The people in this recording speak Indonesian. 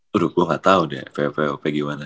waduh gue nggak tau deh ppop gimana